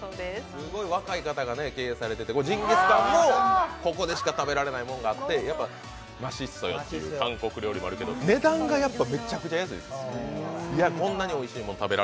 すごい若い方が経営されていてジンギスカンもここでしか食べられないものがあって、ましっそよっていう韓国料理もあるけど、やっぱり値段がすごい安いですよ。